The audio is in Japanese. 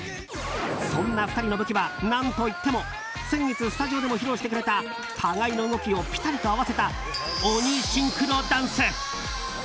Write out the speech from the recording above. そんな２人の武器は何といっても先月スタジオでも披露してくれた互いの動きをピタリと合わせた鬼シンクロダンス。